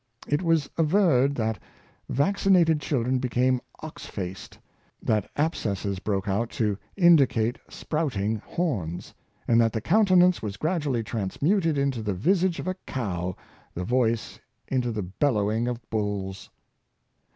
It was averred that vaccinated children became " ox faced," that abscesses broke out to " indicate sprout ing horns," and that the countenance was gradually " transmuted into the visage of a cow, the voice into the bellowing of bulls."